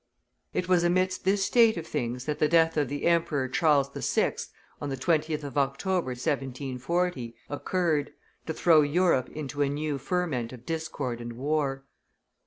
It was amidst this state of things that the death of the Emperor Charles VI., on the 20th of October, 1740, occurred, to throw Europe into a new ferment of discord and war.